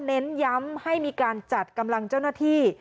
เน้นย้ำให้มีการจัดกำลังเจ้าหน้าที่